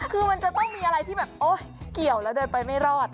คือมันจะต้องมีอะไรที่แบบโอ๊ยเกี่ยวแล้วเดินไปไม่รอด